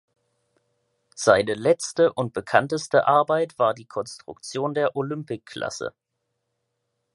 Seine letzte und bekannteste Arbeit war die Konstruktion der Olympic-Klasse.